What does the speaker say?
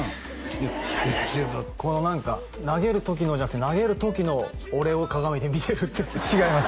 いやいやこの何か投げる時のじゃなくて投げる時の俺を鏡で見てるって違います